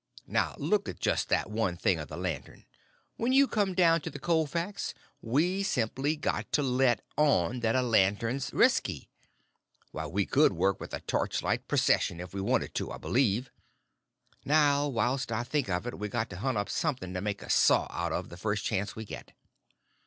Now look at just that one thing of the lantern. When you come down to the cold facts, we simply got to let on that a lantern's resky. Why, we could work with a torchlight procession if we wanted to, I believe. Now, whilst I think of it, we got to hunt up something to make a saw out of the first chance we get."